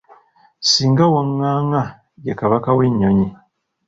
Singa Wangaanga ye Kabaka w'ennyonyi.